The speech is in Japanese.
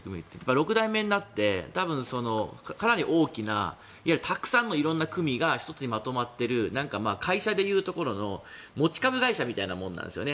六代目になって、かなり大きないわゆるたくさんの色んな組が一つにまとまっている会社でいうところの持ち株会社みたいなものなんですよね。